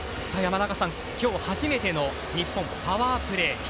山中さん、今日初めての日本のパワープレー。